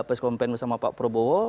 preskopen bersama pak prabowo